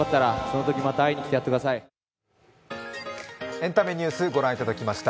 エンタメニュースご覧いただきました。